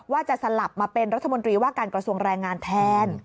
สลับมาเป็นรัฐมนตรีว่าการกระทรวงแรงงานแทน